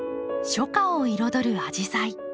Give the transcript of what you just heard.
初夏を彩るアジサイ。